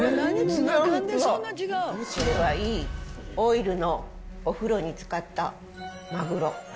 これはいいオイルのお風呂に浸かったマグロ。